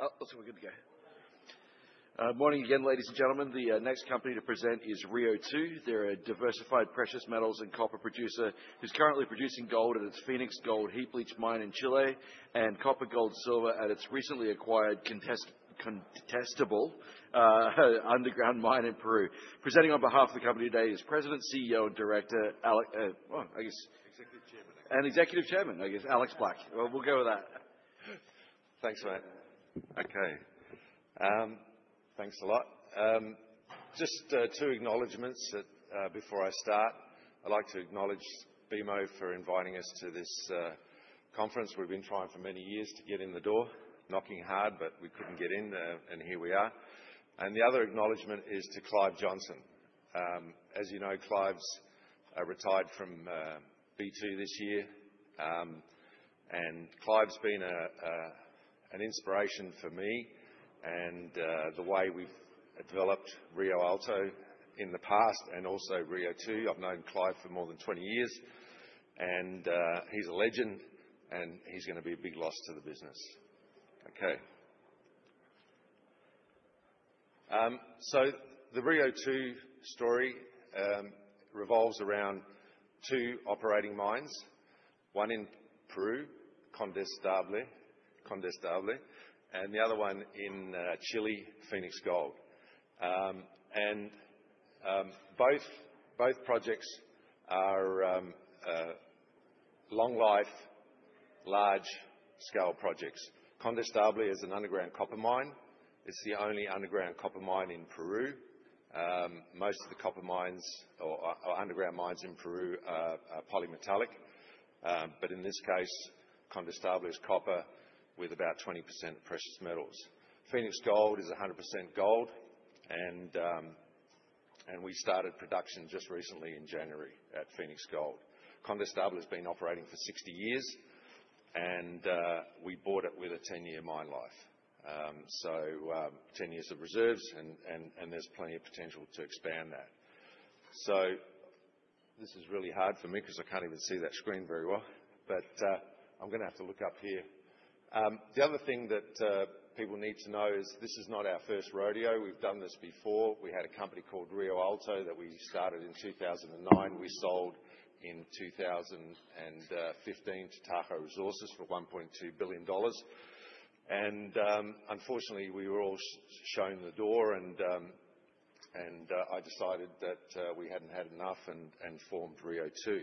Looks like we're good to go. Morning again, ladies and gentlemen. The next company to present is Rio2. They're a diversified precious metals and copper producer who's currently producing gold at its Fenix Gold heap leach mine in Chile, and copper, gold, silver at its recently acquired Condestable underground mine in Peru. Presenting on behalf of the company today is President, CEO, and Director, Alex. Executive Chairman. Executive Chairman, I guess. Alex Black. Well, we'll go with that. Thanks, mate. Okay. Thanks a lot. Just two acknowledgments before I start. I'd like to acknowledge BMO for inviting us to this conference. We've been trying for many years to get in the door, knocking hard, we couldn't get in, here we are. The other acknowledgment is to Clive Johnson. As you know, Clive's retired from B2 this year. Clive's been an inspiration for me and the way we've developed Rio Alto in the past and also Rio2. I've known Clive for more than 20 years. He's a legend, he's going to be a big loss to the business. Okay. The Rio2 story revolves around two operating mines. One in Peru, Condestable. The other one in Chile, Fenix Gold. Both projects are long-life, large-scale projects. Condestable is an underground copper mine. It's the only underground copper mine in Peru. Most of the copper mines or underground mines in Peru are polymetallic. In this case, Condestable is copper with about 20% precious metals. Fenix Gold is 100% gold. We started production just recently in January at Fenix Gold. Condestable has been operating for 60 years. We bought it with a 10-year mine life. 10 years of reserves and there's plenty of potential to expand that. This is really hard for me because I can't even see that screen very well. I'm going to have to look up here. The other thing that people need to know is this is not our first rodeo. We've done this before. We had a company called Rio Alto that we started in 2009. We sold in 2015 to Tahoe Resources for $1.2 billion. Unfortunately, we were all shown the door, and I decided that we hadn't had enough and formed Rio2.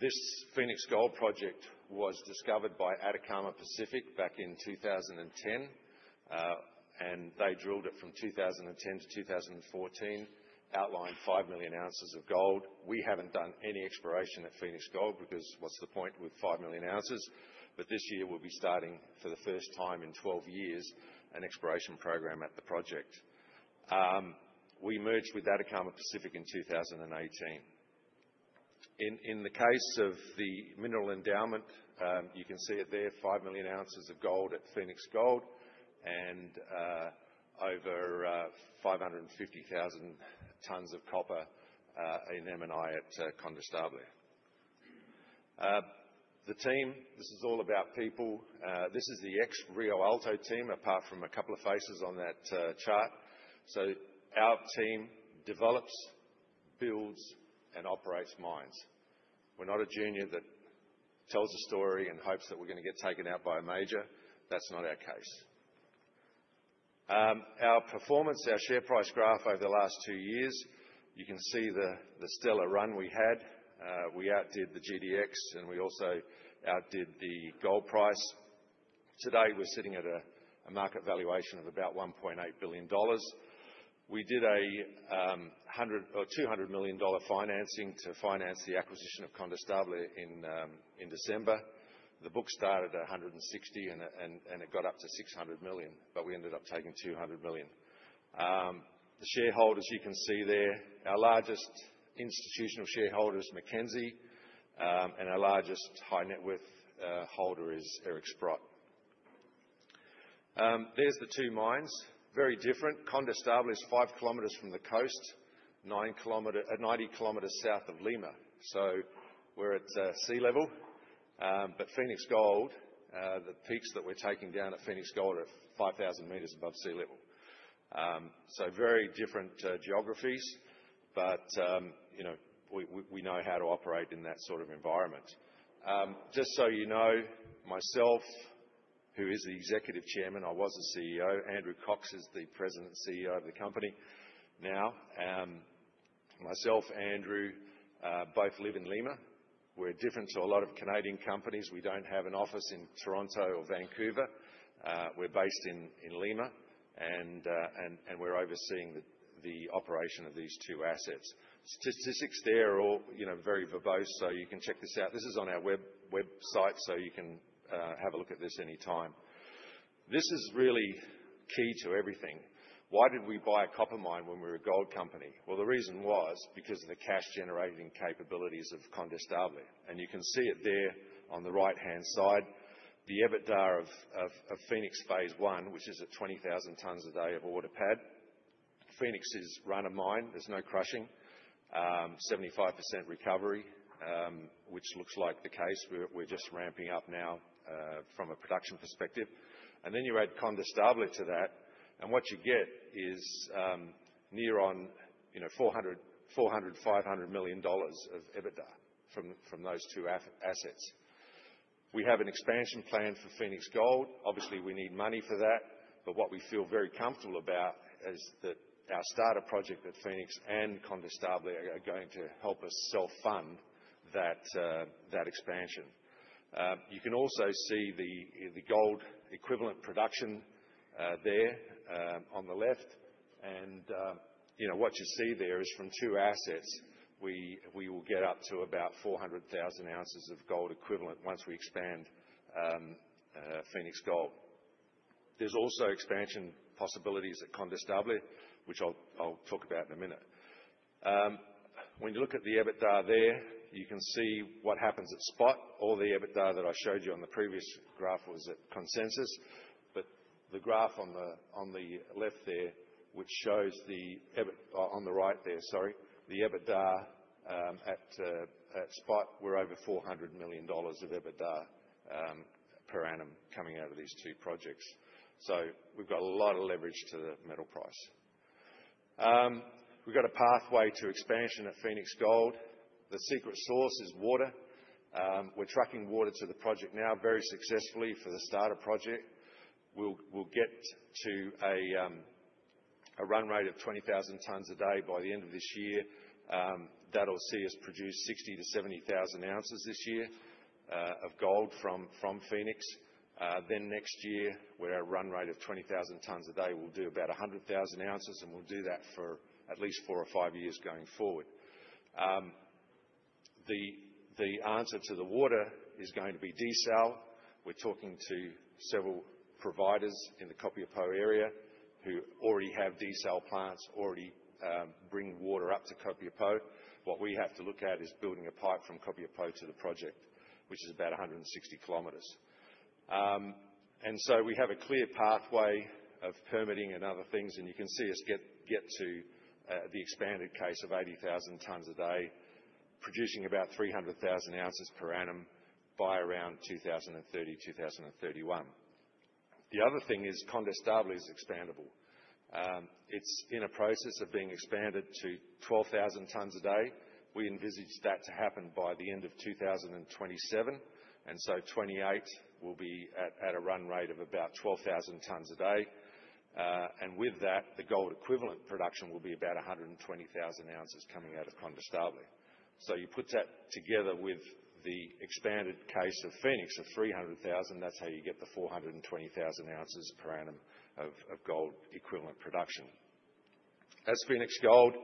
This Fenix Gold project was discovered by Atacama Pacific back in 2010. They drilled it from 2010 to 2014, outlined 5 million ounces of gold. We haven't done any exploration at Fenix Gold because what's the point with 5 million ounces? This year we'll be starting, for the first time in 12 years, an exploration program at the project. We merged with Atacama Pacific in 2018. In the case of the mineral endowment, you can see it there, 5 million ounces of gold at Fenix Gold and over 550,000 tonnes of copper in M&I at Condestable. The team, this is all about people. This is the ex-Rio Alto team, apart from a couple of faces on that chart. Our team develops, builds, and operates mines. We're not a junior that tells a story and hopes that we're going to get taken out by a major. That's not our case. Our performance, our share price graph over the last 2 years, you can see the stellar run we had. We outdid the GDX, and we also outdid the gold price. Today, we're sitting at a market valuation of about $1.8 billion. We did a $200 million financing to finance the acquisition of Condestable in December. The book started at $160 and it got up to $600 million, but we ended up taking $200 million. The shareholders, you can see there. Our largest institutional shareholder is Mackenzie. Our largest high net worth holder is Eric Sprott. There's the 2 mines. Very different. Condestable is 5 kilometers from the coast, 90 kilometers south of Lima. We're at sea level. Fenix Gold, the peaks that we're taking down at Fenix Gold are 5,000 meters above sea level. Very different geographies. We know how to operate in that sort of environment. Just so you know, myself, who is the Executive Chairman, I was the CEO. Andrew Cox is the President and CEO of the company now. Myself, Andrew, both live in Lima. We're different to a lot of Canadian companies. We don't have an office in Toronto or Vancouver. We're based in Lima. We're overseeing the operation of these 2 assets. Statistics there are all very verbose, so you can check this out. This is on our website, so you can have a look at this anytime. This is really key to everything. Why did we buy a copper mine when we're a gold company? The reason was because of the cash-generating capabilities of Condestable. You can see it there on the right-hand side. The EBITDA of Fenix phase 1, which is at 20,000 tons a day of ore to pad Fenix is run of mine. There is no crushing. 75% recovery, which looks like the case. We are just ramping up now from a production perspective. Then you add Condestable to that, and what you get is near on $400 million, $500 million of EBITDA from those two assets. We have an expansion plan for Fenix Gold. Obviously, we need money for that, but what we feel very comfortable about is that our starter project at Fenix and Condestable are going to help us self-fund that expansion. You can also see the gold equivalent production there on the left. What you see there is from two assets. We will get up to about 400,000 ounces of gold equivalent once we expand Fenix Gold. There is also expansion possibilities at Condestable, which I will talk about in a minute. When you look at the EBITDA there, you can see what happens at spot. All the EBITDA that I showed you on the previous graph was at consensus, but the graph on the right there, the EBITDA at spot, we are over $400 million of EBITDA per annum coming out of these two projects. We have got a lot of leverage to the metal price. We have got a pathway to expansion at Fenix Gold. The secret source is water. We are trucking water to the project now very successfully for the starter project. We will get to a run rate of 20,000 tons a day by the end of this year. That will see us produce 60,000 to 70,000 ounces this year of gold from Fenix. Next year, with our run rate of 20,000 tons a day, we will do about 100,000 ounces, and we will do that for at least four or five years going forward. The answer to the water is going to be desal. We are talking to several providers in the Copiapó area who already have desal plants, already bring water up to Copiapó. What we have to look at is building a pipe from Copiapó to the project, which is about 160 kilometers. We have a clear pathway of permitting and other things, and you can see us get to the expanded case of 80,000 tons a day, producing about 300,000 ounces per annum by around 2030, 2031. The other thing is Condestable is expandable. It is in a process of being expanded to 12,000 tons a day. We envisage that to happen by the end of 2027, so 2028 will be at a run rate of about 12,000 tons a day. With that, the gold equivalent production will be about 120,000 ounces coming out of Condestable. You put that together with the expanded case of Fenix of 300,000, that is how you get the 420,000 ounces per annum of gold equivalent production. That is Fenix Gold.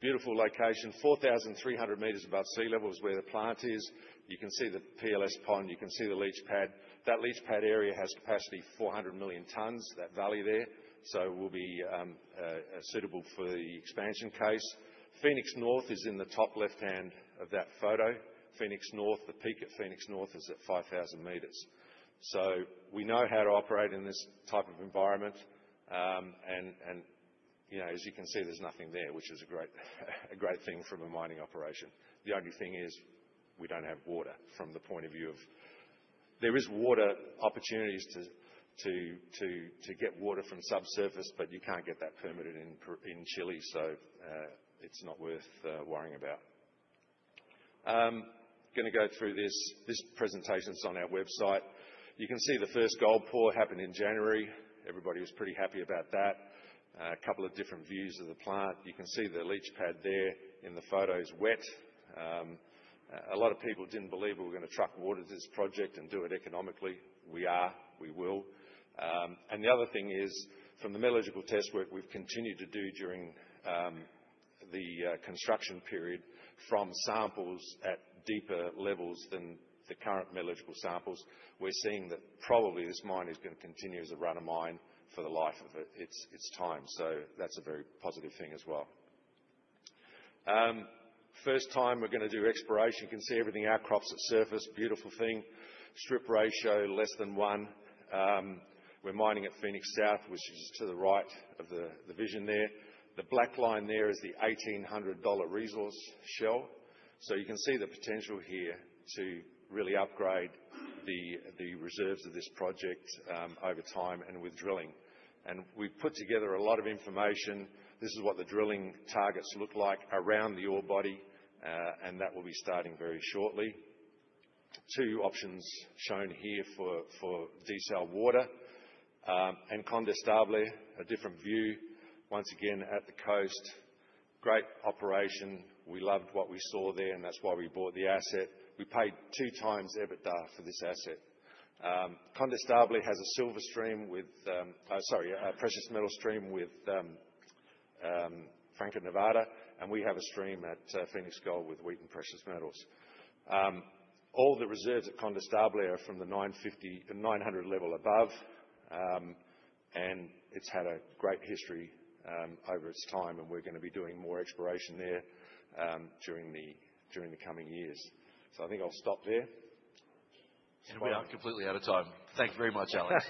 Beautiful location, 4,300 meters above sea level is where the plant is. You can see the PLS pond. You can see the leach pad. That leach pad area has capacity 400 million tons, that valley there. It will be suitable for the expansion case. Fenix North is in the top left-hand of that photo. The peak at Fenix North is at 5,000 meters. We know how to operate in this type of environment, as you can see, there's nothing there, which is a great thing from a mining operation. The only thing is we don't have water from the point of view. There is water opportunities to get water from subsurface, but you can't get that permitted in Chile. It's not worth worrying about. We are going to go through this presentation. It's on our website. You can see the first gold pour happened in January. Everybody was pretty happy about that. A couple of different views of the plant. You can see the leach pad there in the photos wet. A lot of people didn't believe we were going to truck water to this project and do it economically. We are, we will. The other thing is, from the metallurgical test work we've continued to do during the construction period, from samples at deeper levels than the current metallurgical samples, we're seeing that probably this mine is going to continue as a run of mine for the life of its time. That's a very positive thing as well. First time we're going to do exploration. You can see everything outcrops at surface. Beautiful thing. Strip ratio less than one. We're mining at Fenix South, which is to the right of the vision there. The black line there is the $1,800 resource shell. You can see the potential here to really upgrade the reserves of this project over time and with drilling. We've put together a lot of information. This is what the drilling targets look like around the ore body. That will be starting very shortly. Two options shown here for desal water. Condestable, a different view. Once again, at the coast. Great operation. We loved what we saw there, and that's why we bought the asset. We paid two times EBITDA for this asset. Condestable has a precious metal stream with Franco-Nevada, and we have a stream at Fenix Gold with Wheaton Precious Metals. All the reserves at Condestable are from the 900 level above. It's had a great history over its time, and we're going to be doing more exploration there during the coming years. I think I'll stop there. We are completely out of time. Thank you very much, Alex.